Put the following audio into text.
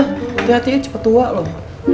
hati hatinya cepat tua loh